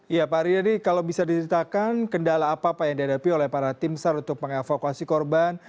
ya pak riyadi kalau bisa dititahkan kendala apa yang dihadapi oleh para timsar untuk mengevakuasi korban